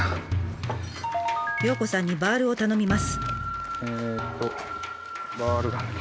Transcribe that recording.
陽子さんにバールを頼みます。